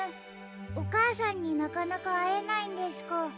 おかあさんになかなかあえないんですか。